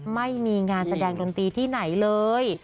ไม่มีงานแสดงดนตรีที่ไหนเลย